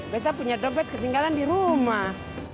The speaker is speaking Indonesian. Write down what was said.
beto punya dopet ketinggalan di rumah